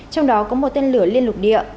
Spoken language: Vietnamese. trong đó có một tên lửa liên lục địa